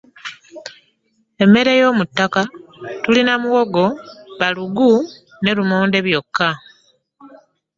Emmere yo mu ttaka tulina muwogo, bbalugu ne lumonde byokka.